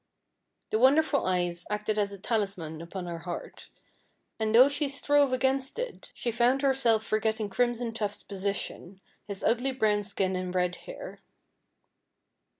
The wonderful eyes acted as a talisman upon her heart, and though she strove against it, she found herself forgetting Crimson Tuft's position, his ugly brown skin and red hair.